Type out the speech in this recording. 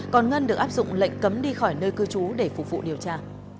còn ngân được áp dụng lệnh cấm đi khỏi nơi cư trú để phục vụ điều tra